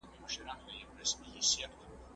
ايا حضوري ټولګي د ښوونکي مستقيم وضاحت روښانه کوي؟